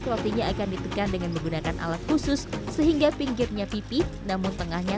rotinya akan ditekan dengan menggunakan alat khusus sehingga pinggirnya pipi namun tengahnya